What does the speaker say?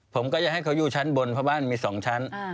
ผมก็จะให้เขาอยู่ชั้นบนเพราะบ้านมี๒ชั้น